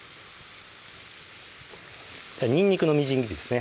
にんにくのみじん切りですね